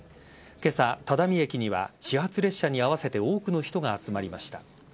今朝、只見駅には始発列車に合わせて多くの人が集まりました。